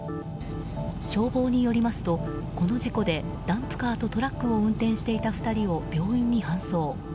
消防によりますとこの事故でダンプカーとトラックを運転していた２人を病院に搬送。